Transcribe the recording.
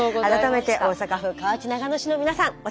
改めて大阪府河内長野市の皆さん